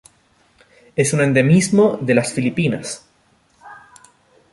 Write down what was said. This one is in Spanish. Es un endemismo de las Filipinas.